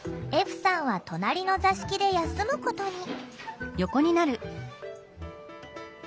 歩さんは隣の座敷で休むことに。